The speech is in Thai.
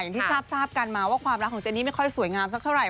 ที่ทราบกันมาว่าความรักของเจนี่ไม่ค่อยสวยงามสักเท่าไห